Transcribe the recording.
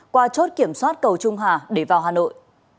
qua chốt kiểm soát cầu trung hà để vào hà nội